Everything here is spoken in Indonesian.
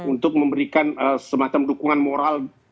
untuk memberikan semacam dukungan moral